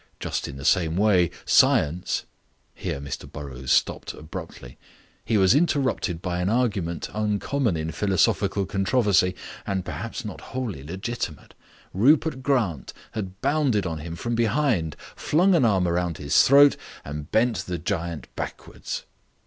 Just in the same way science " Here Mr Burrows stopped abruptly. He was interrupted by an argument uncommon in philosophical controversy and perhaps not wholly legitimate. Rupert Grant had bounded on him from behind, flung an arm round his throat, and bent the giant backwards.